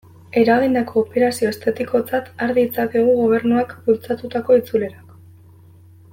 Eragindako operazio estetikotzat har ditzakegu Gobernuak bultzatutako itzulerak.